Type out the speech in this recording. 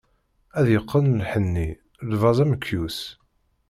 Ad yeqqen lḥenni, lbaz amekyus.